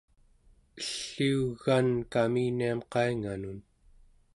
elliu egan kaminiam qainganun!